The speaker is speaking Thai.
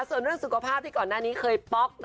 ส่วนเรื่องสุขภาพที่ก่อนหน้านี้เคยป๊อก